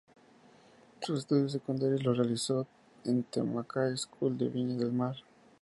Sus estudios secundarios los realizó en The Mackay School de Viña del Mar.